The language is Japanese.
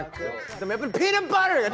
でもやっぱりピーナツバター！が。